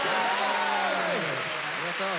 ありがとう！